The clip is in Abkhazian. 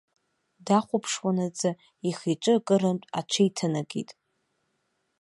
Дахәаԥшуанаҵы ихы-иҿы акырынтә аҽеиҭанакит.